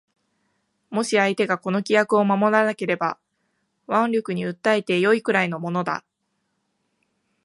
もし相手がこの規約を守らなければ腕力に訴えて善いくらいのものだ